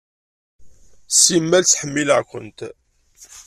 Simmal ttḥemmileɣ-kent.